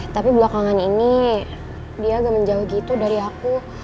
tapi belakangan ini dia agak menjauh gitu dari aku